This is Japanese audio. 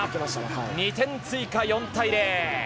２点追加、４対０。